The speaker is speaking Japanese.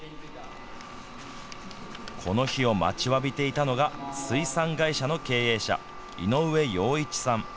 この日を待ちわびていたのが水産会社の経営者井上陽一さん。